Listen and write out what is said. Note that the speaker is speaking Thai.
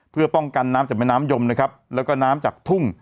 เพื่อป้องกันน้ำจากแม่น้ำยมนะครับแล้วก็น้ำจากทุ่ง